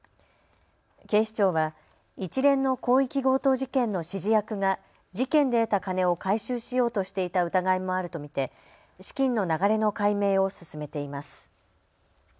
警視庁は一連の広域強盗事件の指示役が事件で得た金を回収しようとしていた疑いもあると見て資金の流れの解明を進めています。